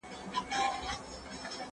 ښوونځی ماشومانو ته د خبرو مهارت ور زده کوي.